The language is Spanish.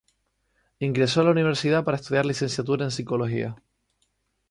Ingresó en la universidad para estudiar Licenciatura en Psicología.